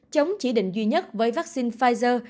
chống chỉ định duy nhất với vaccine pfizer